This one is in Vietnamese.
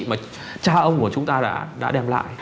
mà cha ông của chúng ta đã đem lại